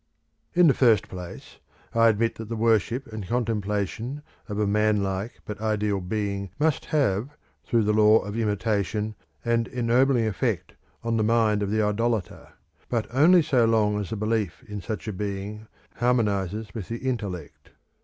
In the first place, I admit that the worship and contemplation of a man like but ideal Being must have, through the law of imitation, an ennobling effect on the mind of the idolater, but only so long as the belief in such a Being harmonises with the intellect.